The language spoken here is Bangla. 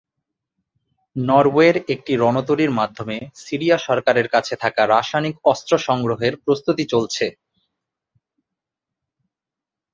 নরওয়ের একটি রণতরির মাধ্যমে সিরিয়া সরকারের কাছে থাকা রাসায়নিক অস্ত্র সংগ্রহের প্রস্তুতি চলছে।